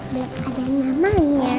belum ada namanya